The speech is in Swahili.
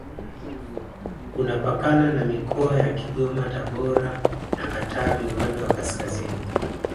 Unapakana na mikoa ya Kigoma Tabora na Katavi upande wa kaskazini